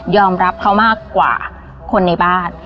อมรับเขามากกว่าคนในบ้าน